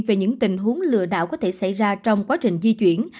về những tình huống lừa đảo có thể xảy ra trong quá trình di chuyển